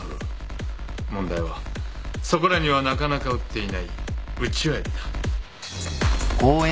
問題はそこらにはなかなか売っていないウチワエビだ。